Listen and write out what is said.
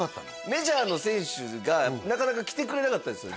メジャーの選手がなかなか来てくれなかったんですよ